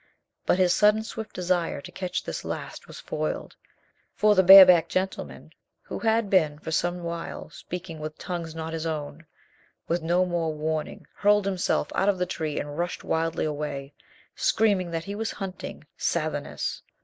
But his sudden swift desire to catch this last was foiled, for the barebacked gentleman, who had been for some while speaking with tongues not his own, with no more warning hurled himself out of the tree and rushed wildly away, screaming that he was hunting Sathan as.